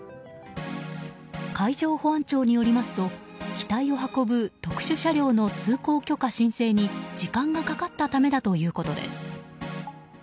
海上保安庁によりますと機体を運ぶ特殊車両の通行許可申請に時間がかかったためだということです。